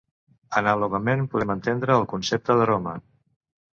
Anàlogament podem entendre el concepte d'aroma.